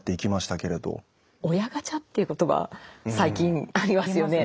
親ガチャっていう言葉最近ありますよね。